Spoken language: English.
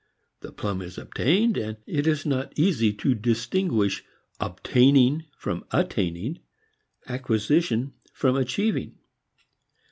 The plum is obtained, and it is not easy to distinguish obtaining from attaining, acquisition from achieving.